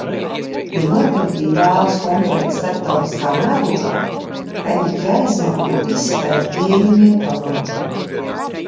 Ja Norvēģija vēlas konkurēt starptautiskā mērogā, tai jāizmanto visi tai pieejamie talanti.